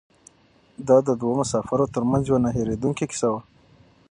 دا د دوو مسافرو تر منځ یوه نه هېرېدونکې کیسه وه.